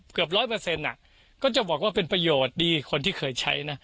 เกือบร้อยเปอร์เซ็นต์ก็จะบอกว่าเป็นประโยชน์ดีคนที่เคยใช้นะ